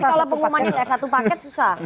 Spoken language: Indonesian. jadi nanti kalau pengumuman yang kayak satu paket susah